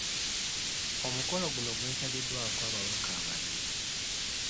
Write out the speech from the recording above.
Omukolo guno gwetabiddwako ababaka abalala.